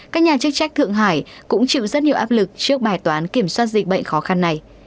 các nhà chức trách thượng hải cũng chịu rất nhiều áp lực trước bài toán kiểm soát dịch bệnh khó khăn này